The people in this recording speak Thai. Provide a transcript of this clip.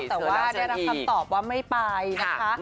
แต่ว่าได้รับคำตอบว่าไม่ไปนะคะ